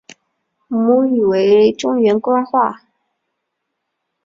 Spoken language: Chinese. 母语为中原官话。